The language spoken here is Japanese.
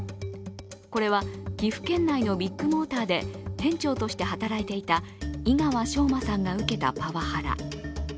これは岐阜県内のビッグモーターで店長として働いていた井川翔馬さんが受けたパワハラ。